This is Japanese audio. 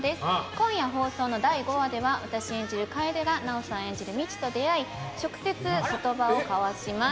今夜放送の第５話では私演じる楓が奈緒さん演じる、みちと出会い直接、言葉を交わします。